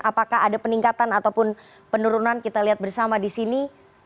apakah ada peningkatan ataupun penurunan kita lihat bersama di sini